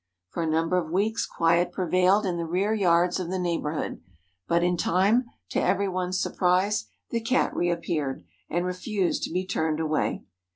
For a number of weeks quiet prevailed in the rear yards of the neighborhood, but in time, to everyone's surprise, the Cat reappeared and refused to be turned away.